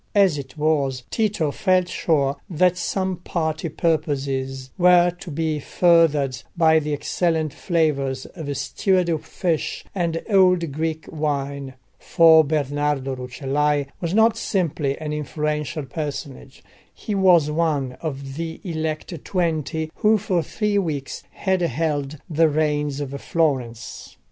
As it was, Tito felt sure that some party purposes were to be furthered by the excellent flavours of stewed fish and old Greek wine; for Bernardo Rucellai was not simply an influential personage, he was one of the elect Twenty who for three weeks had held the reins of Florence.